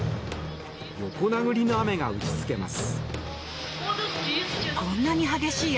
横殴りの雨が打ちつけます。